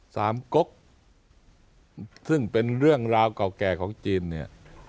สามกกซึ่งเป็นเรื่องราวเก่าแก่ของจีนเนี่ย